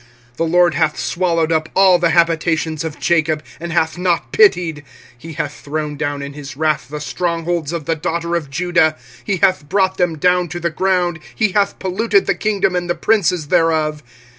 25:002:002 The LORD hath swallowed up all the habitations of Jacob, and hath not pitied: he hath thrown down in his wrath the strong holds of the daughter of Judah; he hath brought them down to the ground: he hath polluted the kingdom and the princes thereof.